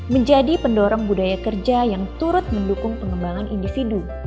menjadi pendorong budaya kerja yang turut mendukung pengembangan individu